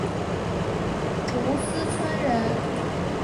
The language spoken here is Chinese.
斛斯椿人。